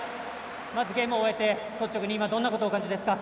まずゲームを終えて、率直にどんなことをお感じですか？